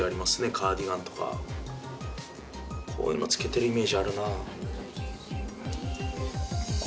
カーディガンとかこういうのつけてるイメージあるなあ